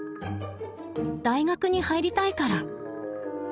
大学に入りたいから。